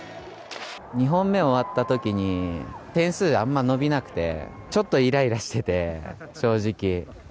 ２本目終わったときに、点数あんま伸びなくて、ちょっといらいらしてて、正直。